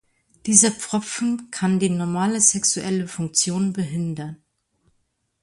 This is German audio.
Dieser Pfropfen kann die normale sexuelle Funktion behindern.